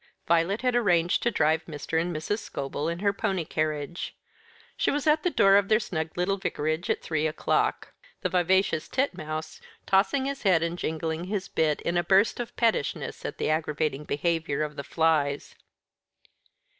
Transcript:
Violet had arranged to drive Mr. and Mrs. Scobel in her pony carriage. She was at the door of their snug little Vicarage at three o'clock; the vivacious Titmouse tossing his head and jingling his bit in a burst of pettishness at the aggravating behaviour of the flies.